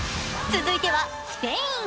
続いてはスペイン。